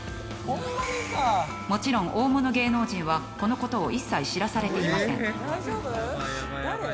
もちろん大物芸能人はこのことを一切知らされていません。